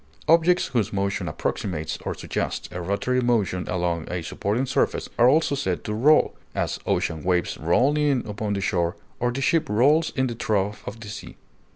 Objects whose motion approximates or suggests a rotary motion along a supporting surface are also said to roll; as, ocean waves roll in upon the shore, or the ship rolls in the trough of the sea.